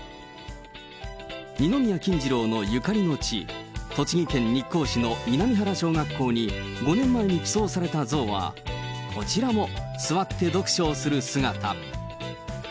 二宮金次郎のゆかりの地、栃木県日光市の南原小学校に５年前に寄贈された像は、こちらも座って読書をする姿。